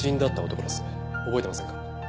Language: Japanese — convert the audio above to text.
覚えてませんか？